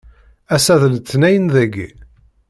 Ass-a d letniyen yagi.